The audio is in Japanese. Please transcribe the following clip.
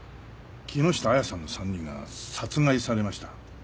木下亜矢さんの３人が殺害されました。